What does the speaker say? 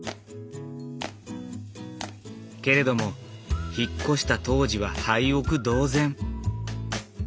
けれども引っ越した当時は廃屋同然。